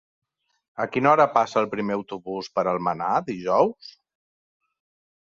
A quina hora passa el primer autobús per Almenar dijous?